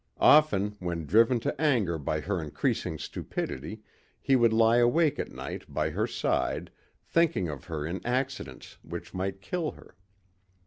Often when driven to anger by her increasing stupidity he would lie awake at night by her side thinking of her in accidents which might kill her.